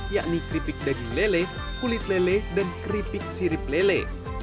yakni keripik daging lele kulit lele dan keripik sirip lele